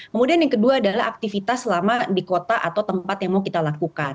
kemudian yang kedua adalah aktivitas selama di kota atau tempat yang mau kita lakukan